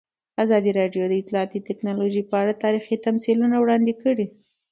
ازادي راډیو د اطلاعاتی تکنالوژي په اړه تاریخي تمثیلونه وړاندې کړي.